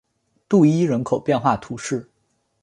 杜伊人口变化图示